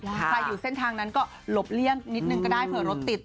ใครอยู่เส้นทางนั้นก็หลบเลี่ยงนิดนึงก็ได้เผื่อรถติด